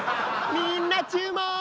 みんな注目！